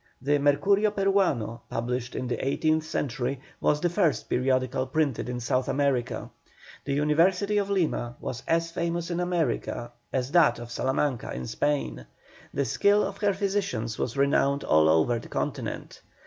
The Mercurio Peruano, published in the eighteenth century, was the first periodical printed in South America. The University of Lima was as famous in America as that of Salamanca in Spain; the skill of her physicians was renowned all over the continent.